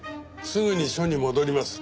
すぐに署に戻ります。